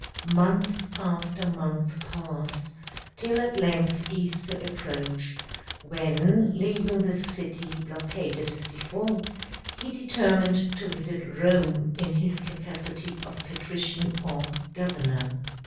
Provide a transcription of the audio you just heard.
Month after month passed, till at length Easter approached, when, leaving the city blockaded as before, he determined to visit Rome in his capacity of patrician or governor.